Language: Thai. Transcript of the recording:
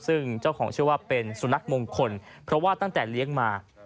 ซึ่งเจ้าของเชื่อว่าเป็นสุนัขมงคลเพราะว่าตั้งแต่เลี้ยงมา